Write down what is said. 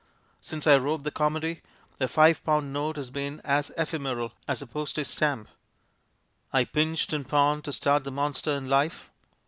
Since I wrote the comedy, a five pound note has been as ephemeral as a postage stamp. I pinched and pawned to start the monster in life.